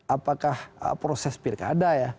apakah proses pirk ada ya